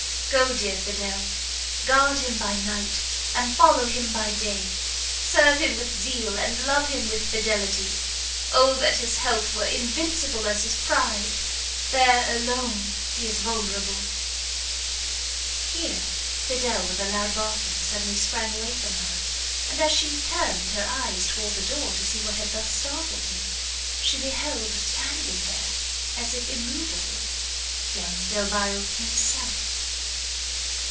Go, dear Fidel, guard him by night, and follow him by day; serve him with zeal, and love him with fidelity; oh that his health were invincible as his pride! there, alone, is he vulnerable " Here Fidel, with a loud barking, suddenly sprang away from her, and, as she turned her eyes towards the door to see what had thus startled him, she beheld standing there, as if immoveable, young Delvile himself!